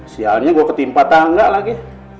sialnya gue ketimpa tangga lagi